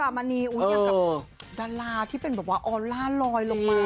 มณีอย่างกับดาราที่เป็นแบบว่าออลล่าลอยลงมา